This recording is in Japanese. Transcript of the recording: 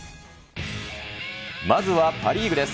まずはパ・リーグです。